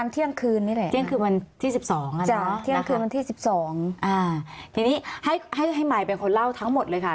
ทีนี้ให้มายเป็นคนเล่าทั้งหมดเลยค่ะ